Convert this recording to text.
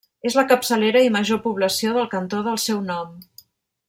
És la capçalera i major població del cantó del seu nom.